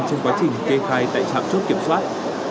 trong quá trình kê khai tại trạm chốt kiểm soát